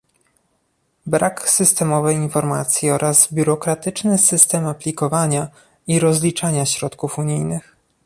brak systemowej informacji oraz biurokratyczny system aplikowania i rozliczania środków unijnych